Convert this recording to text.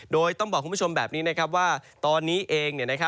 โดยต้องบอกคุณผู้ชมแบบนี้นะครับว่าตอนนี้เอง